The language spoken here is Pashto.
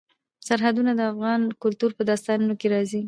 سرحدونه د افغان کلتور په داستانونو کې راځي.